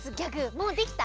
もうできた？